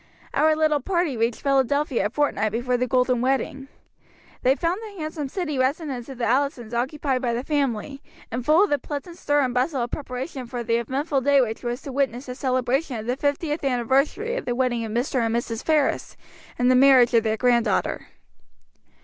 Our little party reached Philadelphia a fortnight before the golden wedding. They found the handsome city residence of the Allisons occupied by the family, and full of the pleasant stir and bustle of preparation for the eventful day which was to witness the celebration of the fiftieth anniversary of the wedding of Mr. and Mrs. Ferris, and the marriage of their granddaughter.